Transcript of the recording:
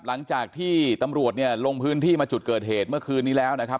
หลังจากที่ตำรวจเนี่ยลงพื้นที่มาจุดเกิดเหตุเมื่อคืนนี้แล้วนะครับ